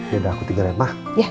yaudah aku tinggal ya ma